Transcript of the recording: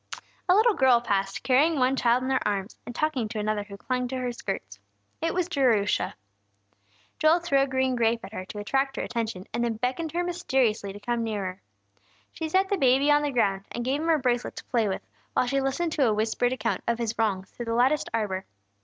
A little girl passed, carrying one child in her arms, and talking to another who clung to her skirts. It was Jerusha. Joel threw a green grape at her to attract her attention, and then beckoned her mysteriously to come nearer. She set the baby on the ground, and gave him her bracelet to play with, while she listened to a whispered account of his wrongs through the latticed arbor.